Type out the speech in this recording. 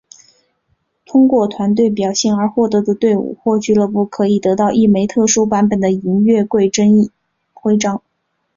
通过团队表现而获奖的队伍或俱乐部可以得到一枚特殊版本的银月桂叶徽章。